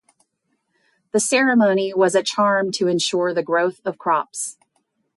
The ceremony was a charm to ensure the growth of crops.